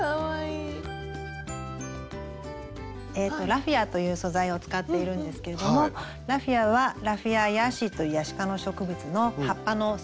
ラフィアという素材を使っているんですけれどもラフィアは「ラフィアヤシ」というヤシ科の植物の葉っぱの繊維になります。